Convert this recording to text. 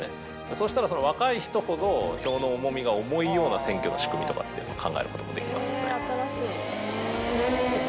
そうしたらその若い人ほど票の重みが重いような選挙の仕組みとかっていうのも考えることもできますよね。